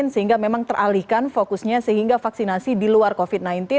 sehingga memang teralihkan fokusnya sehingga vaksinasi di luar covid sembilan belas